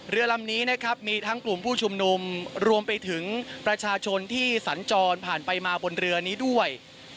เรือลำนี้นะครับมีทั้งกลุ่มผู้ชุมนุมรวมไปถึงประชาชนที่สัญจรผ่านไปมาบนเรือนี้ด้วย